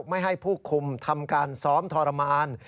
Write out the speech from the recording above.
ไม่ให้ผู้คุมทำการซ้อมทรมาน